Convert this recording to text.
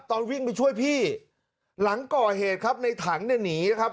ตอนวิ่งไปช่วยพี่หลังก่อเหตุครับในถังเนี่ยหนีนะครับ